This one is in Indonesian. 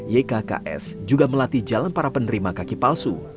ykks juga melatih jalan para penerima kaki palsu